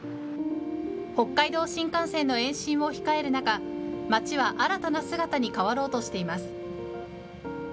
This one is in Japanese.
北海道新幹線の延伸を控える中街は新たな姿に変わろうとしています。